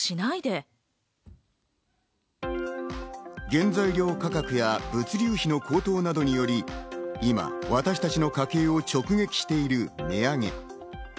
原材料価格や物流費の高騰などにより、今、私たちの家計を直撃している値上げ。